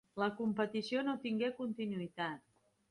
La competició no tingué continuïtat.